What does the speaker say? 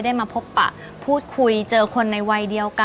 มาพบปะพูดคุยเจอคนในวัยเดียวกัน